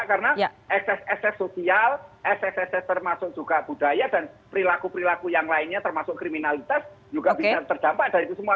karena excess excess sosial excess excess termasuk juga budaya dan perilaku perilaku yang lainnya termasuk kriminalitas juga bisa terdampak dari itu semua